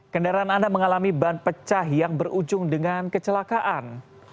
kendaraan anda mengalami ban pecah yang berujung dengan kecelakaan